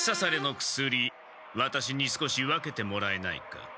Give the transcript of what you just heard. ワタシに少し分けてもらえないか？